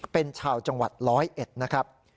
เป็นชาวจังหวัดร้อยเอ็ดนะครับ